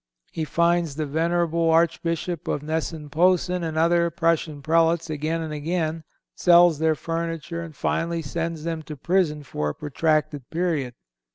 He fines the venerable Archbishop of Gnesen Posen and other Prussian Prelates again and again, sells their furniture and finally sends them to prison for a protracted period.